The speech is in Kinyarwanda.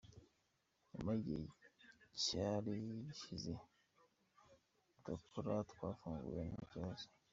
Nyuma y’igihe cyari gishize tudakora, twafunguye nta kibazo.